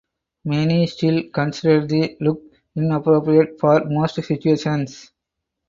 Many still considered the look inappropriate for most situations.